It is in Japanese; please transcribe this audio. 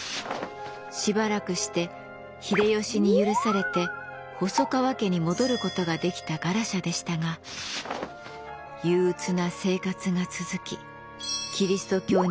しばらくして秀吉に許されて細川家に戻ることができたガラシャでしたが憂鬱な生活が続きキリスト教にのめり込んでゆきます。